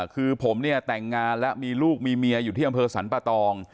คือผมเนี่ยแต่งงานและมีลูกมีเมียอยู่ที่อำเภอสรรปะตอง